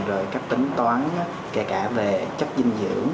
rồi cách tính toán kể cả về chất dinh dưỡng